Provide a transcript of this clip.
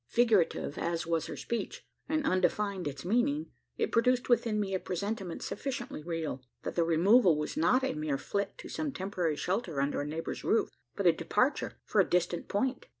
Figurative as was her speech, and undefined its meaning, it produced within me a presentiment sufficiently real: that the removal was not a mere flit to some temporary shelter under a neighbour's roof, but a departure for a distant point.